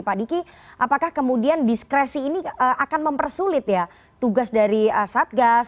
pak diki apakah kemudian diskresi ini akan mempersulit ya tugas dari satgas